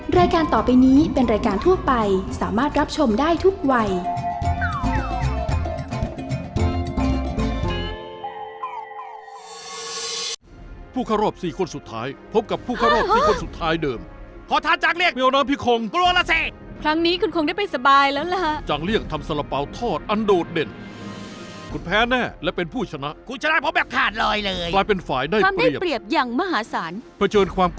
รายการต่อไปนี้เป็นรายการทั่วไปสามารถรับชมได้ทุกวัย